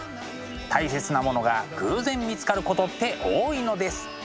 大切なものが偶然見つかることって多いのです。